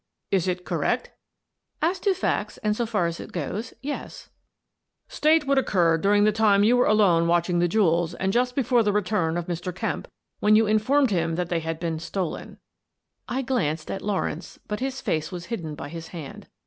"Is it correct?" "As to facts, and so far as it goes, yes." " State what occurred during the time that you were alone watching the jewels and just before the return of Mr. Kemp when you informed him that they had been stolen." I glanced at Lawrence, but his face was hidden by his hand.